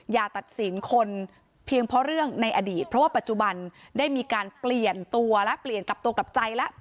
อย่าตัดสินคนเพียงเพราะเรื่องในอดีตเพราะว่าปัจจุบันได้มีการเปลี่ยนตัวและเปลี่ยนกลับตัวกลับใจแล้ว